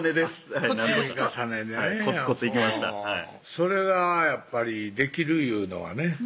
それがやっぱりできるいうのはね